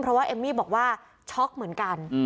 เพราะว่าเอมมี่บอกว่าช็อกเหมือนกัน